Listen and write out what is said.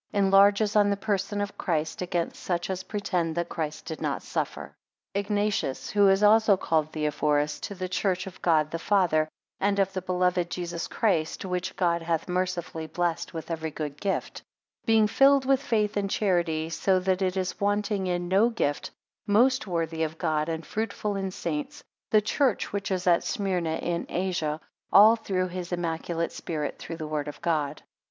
4 Enlarges on the person of Christ, against such as pretend that Christ did not suffer. IGNATIUS, who is also called Theohorus, to the church of God the Father, and of the beloved Jesus Christ, which God hath mercifully blessed with every good gift; being filled with faith and charity, so that it is wanting in no gift; most worthy of God, and fruitful in saints; the church which is at Smyrna in Asia; all through his immaculate spirit, through word of God.